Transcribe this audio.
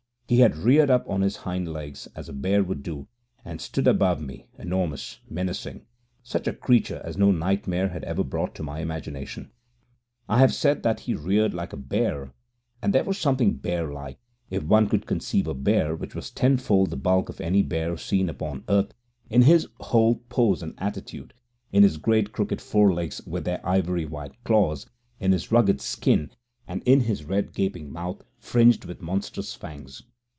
He had reared up on his hind legs as a bear would do, and stood above me, enormous, menacing such a creature as no nightmare had ever brought to my imagination. I have said that he reared like a bear, and there was something bear like if one could conceive a bear which was ten fold the bulk of any bear seen upon earth in his whole pose and attitude, in his great crooked forelegs with their ivory white claws, in his rugged skin, and in his red, gaping mouth, fringed with monstrous fangs.